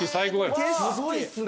すごいっすね。